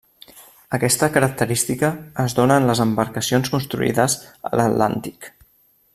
Aquesta característica es dóna en les embarcacions construïdes a l'Atlàntic.